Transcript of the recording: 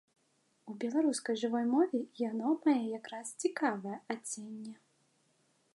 У беларускай жывой мове яно мае якраз цікавае адценне.